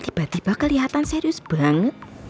tiba tiba kelihatan serius banget